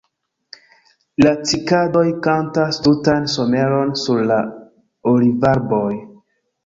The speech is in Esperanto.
La cikadoj kantas tutan someron sur la olivarboj.